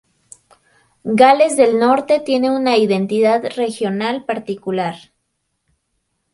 Gales del Norte tiene una identidad regional particular.